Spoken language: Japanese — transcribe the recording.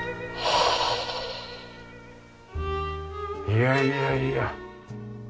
いやいやいや。